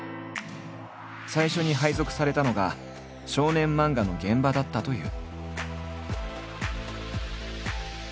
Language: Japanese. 最初に配属されたのが少年漫画の現場だったという。